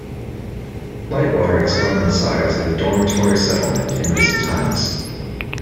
Lightwater has grown in size as a dormitory settlement in recent times.